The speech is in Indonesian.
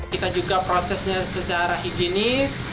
kita juga prosesnya secara higienis